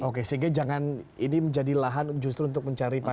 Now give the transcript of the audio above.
oke sehingga jangan ini menjadi lahan justru untuk mencari pasukan